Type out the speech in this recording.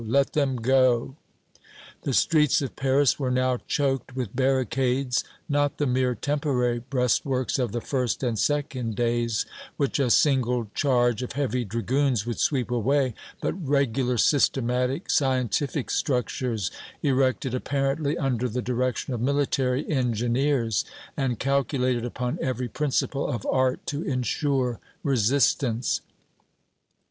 Let them go!" The streets of Paris were now choked with barricades not the mere temporary breastworks of the first and second days, which a single charge of heavy dragoons would sweep away, but regular systematic, scientific structures, erected apparently under the direction of military engineers, and calculated upon every principle of art to insure resistance.